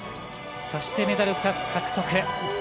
そしてメダル２つ獲得。